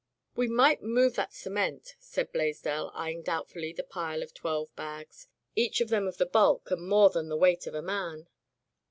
"We might move that cement," said Blais dell, eying doubtfully the pile of twelve bags, each of them of the bulk and more than the weight of a man.